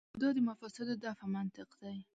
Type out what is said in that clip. دا د مفاسدو دفع منطق دی.